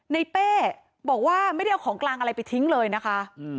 เป้บอกว่าไม่ได้เอาของกลางอะไรไปทิ้งเลยนะคะ